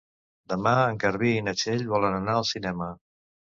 Demà en Garbí i na Txell volen anar al cinema.